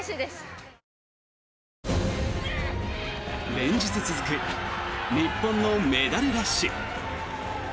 連日続く日本のメダルラッシュ。